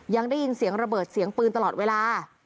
ยังได้ยินเสียงระเบิดเสียงปืนตลอดเวลา